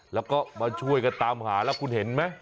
แล้วก็มาช่วยกันตามหาแล้วคุณเห็นไหม